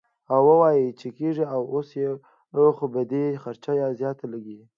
او وائي چې کيږي خو اوس به دې خرچه زياته لګي -